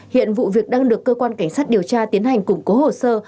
hiện vụ việc đang được cơ quan cảnh sát điều tra tiến hành củng cố hồ sơ